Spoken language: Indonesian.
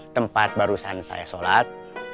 tempat barusan saya sholat